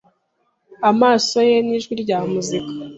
Amaso ye nijwi rya muzika